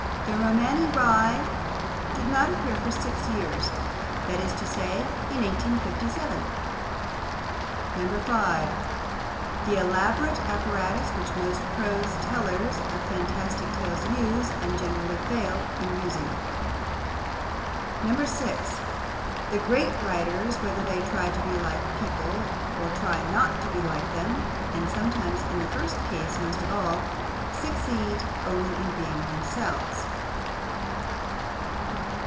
'The Romany Rye' did not appear for six years, that is to say, in 1857. 5. The elaborate apparatus which most prose tellers of fantastic tales use, and generally fail in using. 6. The great writers, whether they try to be like other people or try not to be like them (and sometimes in the first case most of all), succeed only in being themselves.